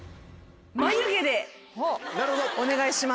「まゆ毛」でお願いします。